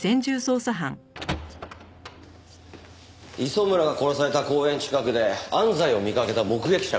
磯村が殺された公園近くで安西を見かけた目撃者が。